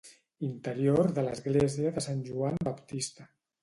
Interior de l'Església de Sant Joan Baptista